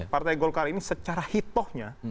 partai golkar ini secara hitohnya